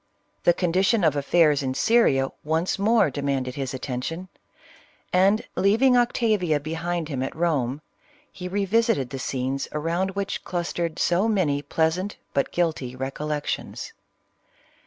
The condition of affairs in Syria once more demanded his attention, and leaving Octavia bchiml him at Home, he re visited the scenes around which clustered so many pleasant but guilty recollections.